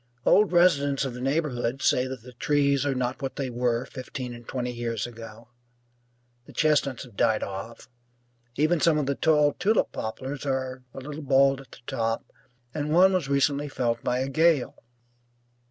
Old residents of the neighbourhood say that the trees are not what they were fifteen and twenty years ago; the chestnuts have died off; even some of the tall tulip poplars are a little bald at the top, and one was recently felled by a gale.